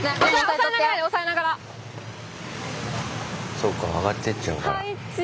そうか上がってっちゃうから。